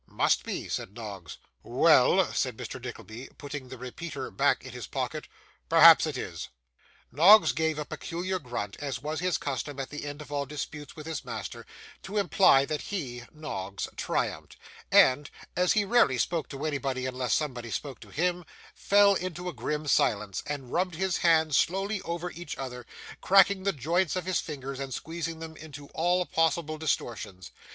'Must be,' said Noggs. 'Well!' said Mr. Nickleby, putting the repeater back in his pocket; 'perhaps it is.' Noggs gave a peculiar grunt, as was his custom at the end of all disputes with his master, to imply that he (Noggs) triumphed; and (as he rarely spoke to anybody unless somebody spoke to him) fell into a grim silence, and rubbed his hands slowly over each other: cracking the joints of his fingers, and squeezing them into all possible distortions.